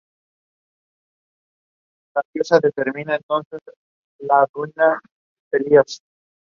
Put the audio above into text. El modo de juego es una variación de "Space Invaders".